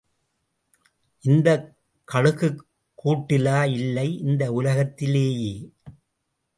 இந்தக் கழுகுக் கூட்டிலா? இல்லை, இந்த உலகத்திலேயே.